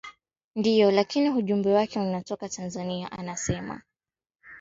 ndio lakini ujumbe wake unatoka tanzania anasema